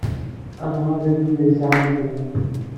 Amɣar d agrud ay yesɛan izri.